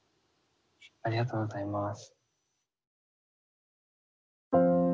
ありがとうございます。